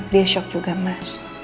dia shock juga mas